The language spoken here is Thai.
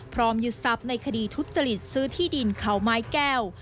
ยึดทรัพย์ในคดีทุจริตซื้อที่ดินเขาไม้แก้ว